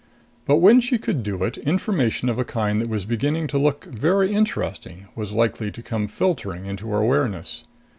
But when she could do it, information of a kind that was beginning to look very interesting was likely to come filtering into her awareness.